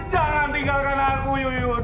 jangan tinggalkan aku yuyun